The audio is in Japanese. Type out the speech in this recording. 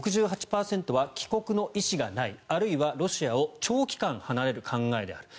６８％は帰国の意思がないあるいはロシアを長期間離れる考えである。